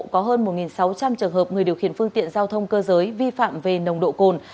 có hơn một sáu trăm linh trường hợp người điều khiển phương tiện giao thông cơ giới vi phạm về nồng độ cồn